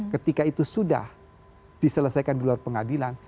ketika itu sudah diselesaikan di luar pengadilan